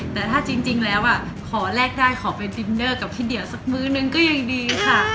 แต่ถ้าจริงแล้วขอแลกได้ขอเป็นดินเนอร์กับพี่เดี่ยวสักมื้อหนึ่งก็ยังดีค่ะ